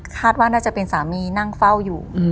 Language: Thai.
คาดว่าน่าจะเป็นสามีนั่งเฝ้าอยู่